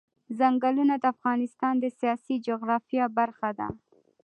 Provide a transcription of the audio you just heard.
ځنګلونه د افغانستان د سیاسي جغرافیه برخه ده.